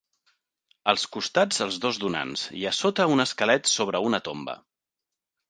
Als costats els dos donants i a sota un esquelet sobre una tomba.